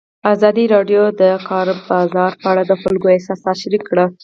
ازادي راډیو د د کار بازار په اړه د خلکو احساسات شریک کړي.